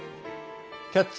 「キャッチ！